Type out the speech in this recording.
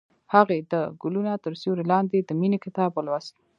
هغې د ګلونه تر سیوري لاندې د مینې کتاب ولوست.